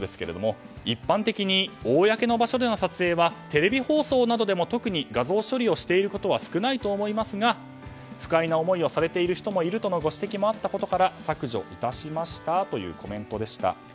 一般的に公の場所での撮影はテレビ放送などでも特に画像処理をしていることは少ないと思いますが不快な思いをされている人もいるとのご指摘もあったことから削除致しましたというコメントでした。